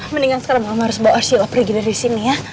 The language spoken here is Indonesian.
mendingan sekarang mama harus bawa arsila pergi dari sini ya